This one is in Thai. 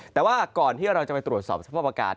แต่ว่าก่อนที่เราจะไปตรวจสอบสภาพอากาศ